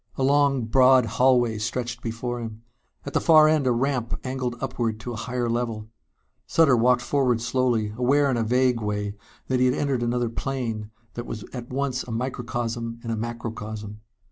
A long broad hallway stretched before him. At the far end a ramp angled upward to a higher level. Sutter walked forward slowly, aware in a vague way that he had entered another plane that was at once a microcosm and a macrocosm.